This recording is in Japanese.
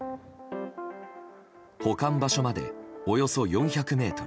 保管場所までおよそ４００ｍ。